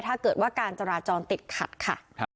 ถ้าเกิดว่าการจราจรติดขัดค่ะ